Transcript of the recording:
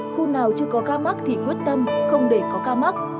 khu nào chưa có ca mắc thì quyết tâm không để có ca mắc